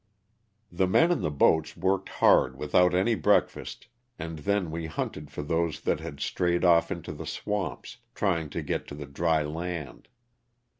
The men in the boats worked hard without any breakfast and then we hunted for those that had strayed off into the swamps, trying to get to the dry land.